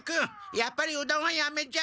やっぱりうどんはやめじゃ。